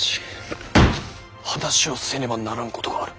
話をせねばならんことがある。